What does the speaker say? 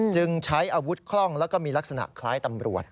ใช้อาวุธคล่องแล้วก็มีลักษณะคล้ายตำรวจ